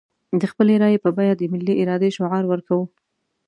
د خپلې رايې په بيه د ملي ارادې شعار ورکوو.